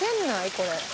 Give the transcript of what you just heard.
これ。